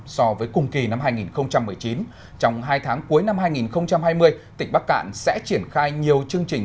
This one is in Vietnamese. so với cùng kỳ năm hai nghìn một mươi chín trong hai tháng cuối năm hai nghìn hai mươi tỉnh bắc cạn sẽ triển khai nhiều chương trình